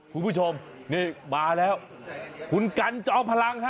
คุณผู้ชมนี่มาแล้วคุณกันจอมพลังฮะ